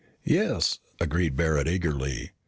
"Yes!" agreed Barret eagerly.